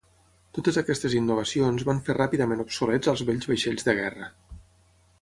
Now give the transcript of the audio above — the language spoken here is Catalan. Totes aquestes innovacions van fer ràpidament obsolets als vells vaixells de guerra.